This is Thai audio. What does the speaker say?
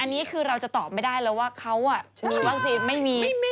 อันนี้คือเราจะตอบไม่ได้แล้วว่าเขามีวัคซีนไม่มี